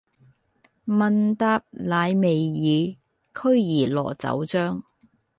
問答乃未已，驅兒羅酒漿。